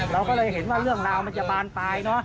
เราก็เลยเห็นว่าเรื่องราวมันจะบานปลายเนอะ